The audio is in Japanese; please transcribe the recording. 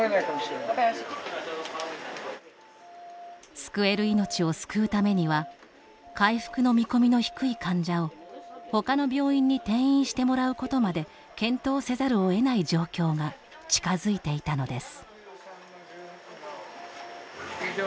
救える命を救うためには回復の見込みの低い患者をほかの病院に転院してもらうことまで検討せざるを得ない状況が近づいていたのです。